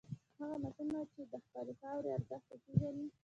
هغه ماشوم چې د خپلې خاورې ارزښت وپېژني.